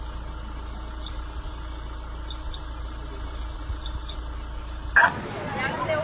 รอยพักที่หู